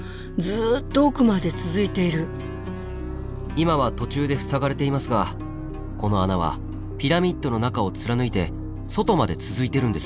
今は途中で塞がれていますがこの穴はピラミッドの中を貫いて外まで続いてるんです。